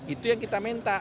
itu yang kita minta